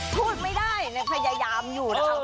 พูดไม่ได้เลยพยายามอยู่นะคะ